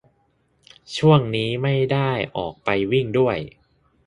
ช่วงนี้ไม่ได้ออกไปวิ่งด้วย